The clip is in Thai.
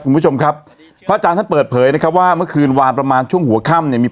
คุณผู้ชมครับพระอาจารย์ท่านเปิดเผยนะครับว่าเมื่อคืนวานประมาณช่วงหัวค่ำเนี่ยมี